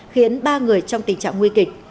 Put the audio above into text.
khiến ba người trong tình trạng nguy kịch